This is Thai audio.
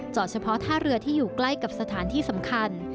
เฉพาะท่าเรือที่อยู่ใกล้กับสถานที่สำคัญ